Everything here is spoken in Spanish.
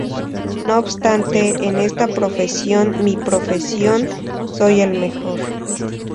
No obstante en esta profesión, mi profesión, soy el mejor".